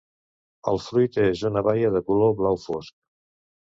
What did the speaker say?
El fruit és una baia de color blau fosc.